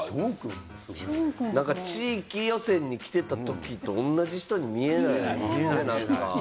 地域予選に来てたときと同じ人に見えない。